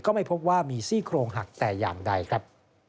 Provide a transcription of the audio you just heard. ไม่พบว่ามีซี่โครงหักแต่อย่างใดครับ